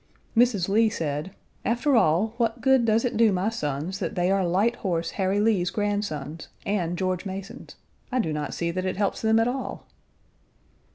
Mrs. Lee said: "After all, what good does it do my sons that they are Light Horse Harry Lee's grandsons and George Mason's? I do not see that it helps them at all."